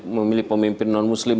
jangan memilih pemimpin muslim